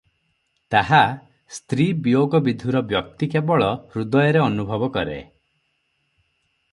ତାହା ସ୍ତ୍ରୀ ବିୟୋଗବିଧୂର ବ୍ୟକ୍ତି କେବଳ ହୃଦୟରେ ଅନୁଭବ କରେ ।